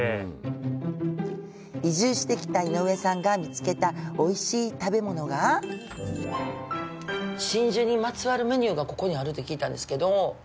移住してきた井上さんが見つけたおいしい食べ物が真珠にまつわるメニューがここにあるって聞いたんですけど。